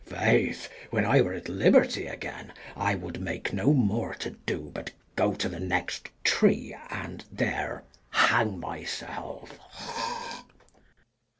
Faith, when I were at liberty again, I would make no more to do, but go to the next tree, and there hang myself.